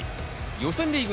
予選リーグ